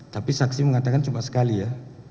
tapi saksi mengatakan cuma sekali ya